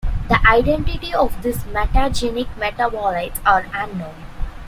The identity of these mutagenic metabolites are unknown.